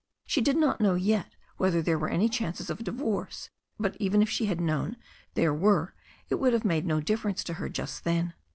She did not know yet whether there were any chances of a divorce, but even if she had known there were it would have made no difference to her just then.